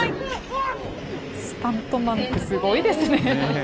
スタントマンってすごいですね。